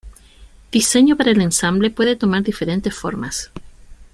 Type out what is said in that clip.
Diseño para el ensamble puede tomar diferentes formas.